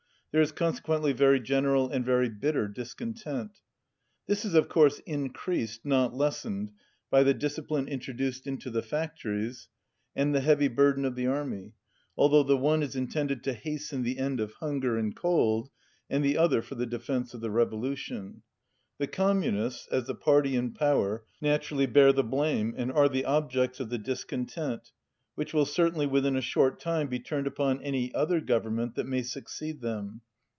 There is consequently very general and very bitter discontent. This is of course increased, not lessened, by the discipline introduced into the factories and the heavy burden of the army, although the one is intended to hasten the end of hunger and cold and the otjier for the defence of the revolution. The Com munists, as the party in power, naturally bear the blame and are the objects of the discontent, which will certainly within a short time be turned upon any other government that may succeed them.